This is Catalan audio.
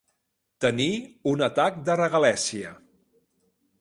Tenir un atac de regalèssia.